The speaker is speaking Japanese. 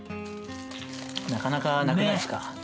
なかなかなくないっすか。